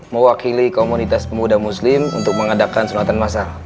mewakili komunitas pemuda muslim untuk mengadakan sunatan masyarakat